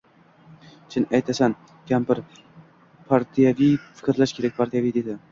— Chin aytasan, kampir, partiyaviy fikrlash kerak, partiyaviy, — dedi.